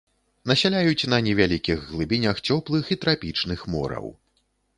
Насяляюць на невялікіх глыбінях цёплых і трапічных мораў.